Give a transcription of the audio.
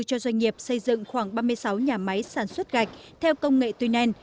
cho doanh nghiệp xây dựng khoảng ba mươi sáu nhà máy sản xuất gạch theo công nghệ tuy nền